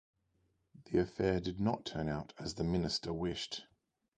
The affair did not turn out as the minister wished.